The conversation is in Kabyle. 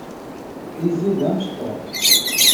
Izzi d amecṭuḥ.